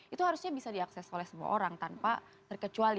itu harusnya bisa diakses oleh semua orang tanpa terkecuali